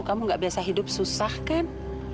kamu gak biasa hidup susah kan